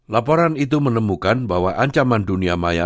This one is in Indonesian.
laporan itu menemukan bahwa ancaman dunia maya